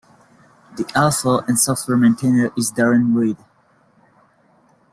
The author and software maintainer is Darren Reed.